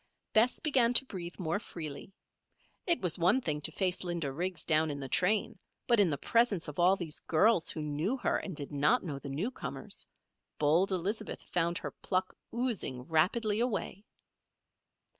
Bess began to breathe more freely. It was one thing to face Linda Riggs down in the train; but in the presence of all these girls who knew her and did not know the newcomers bold Elizabeth found her pluck oozing rapidly away.